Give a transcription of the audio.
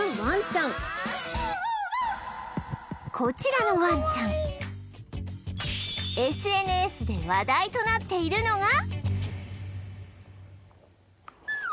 こちらのワンちゃん ＳＮＳ で話題となっているのが